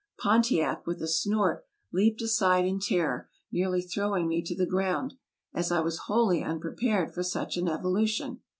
Pon tiac, with a snort, leaped aside in terror, nearly throwing me to the ground, as I was wholly unprepared for such an evolution.